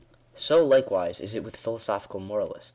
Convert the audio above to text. So likewise is it with the philosophical moralist.